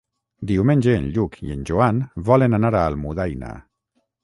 Diumenge en Lluc i en Joan volen anar a Almudaina.